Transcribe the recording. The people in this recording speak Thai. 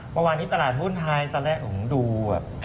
เมื่อวานนี้ตลาดหุ้นไทยตอนแรกผมดูแบบ